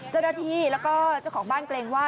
เจ้าหน้าที่แล้วก็เจ้าของบ้านเกรงว่า